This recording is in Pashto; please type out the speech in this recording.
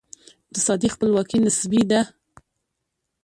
اقتصادي خپلواکي نسبي ده.